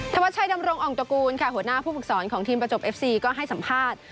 วัดชัยดำรงอ่องตระกูลค่ะหัวหน้าผู้ฝึกสอนของทีมประจบเอฟซีก็ให้สัมภาษณ์